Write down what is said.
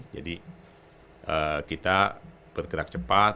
jadi kita bergerak cepat